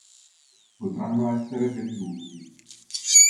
Potranno essere venduti.